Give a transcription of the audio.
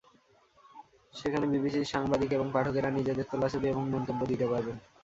সেখানে বিবিসির সাংবাদিক এবং পাঠকেরা নিজেদের তোলা ছবি এবং মন্তব্য দিতে পারবেন।